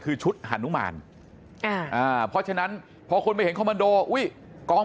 คือชุดฮานุมานอ่าเพราะฉะนั้นพอคนไปเห็นคอมมันโดอุ้ยกอง